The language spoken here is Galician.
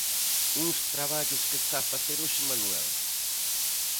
Uns traballos que está a facer hoxe Manuel.